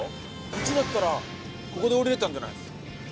１だったらここで降りられたんじゃない？